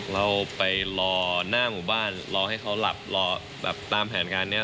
เราไปรอหน้าหมู่บ้านรอให้เขาหลับรอแบบตามแผนงานนี้